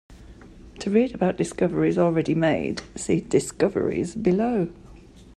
To read about discoveries already made, see "Discoveries" below.